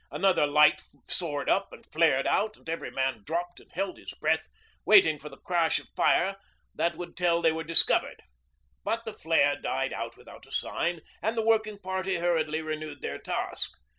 Another light soared up and flared out, and every man dropped and held his breath, waiting for the crash of fire that would tell they were discovered. But the flare died out without a sign, and the working party hurriedly renewed their task.